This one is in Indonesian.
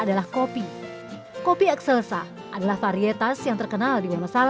salah satu hasil perkebunan yang memberi perubahan besar